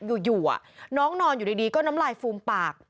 อยู่น้องนอนอยู่ดีก็น้ำลายฟูมปาก